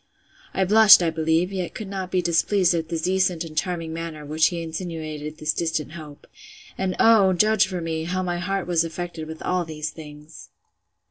I blushed, I believe; yet could not be displeased at the decent and charming manner with which he insinuated this distant hope: And oh! judge for me, how my heart was affected with all these things!